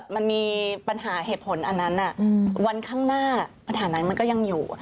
มันมีปัญหาเหตุผลอันนั้นวันข้างหน้าปัญหานั้นมันก็ยังอยู่